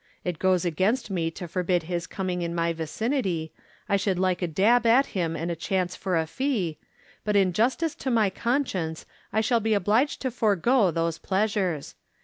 It goes against me to forbid his coming in my vicinity ; I should like a dab at him and a chance for a fee ; but in justice to my conscience I shall be obliged to forego those plea sures.